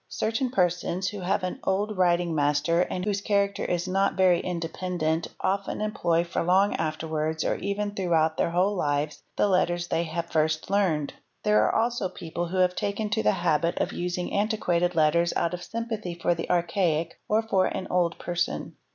Certain persons who have had an old writing "master and whose character is not very independent often employ for long afterwards, or even throughout their whole lives, the letters they have first learned. 'There are also people who have taken to the habit of "using antiquated letters out of sympathy for the archaic or for an old n.